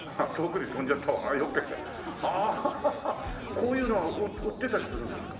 こういうのは売ってたりするんですか？